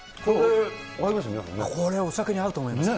これお酒に合うと思います。